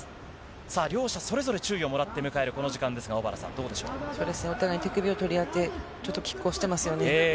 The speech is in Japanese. さあ、両者それぞれ注意をもらって迎えるこの時間ですが、小原さん、そうですね、お互い手首を取り合って、ちょっときっ抗していますよね。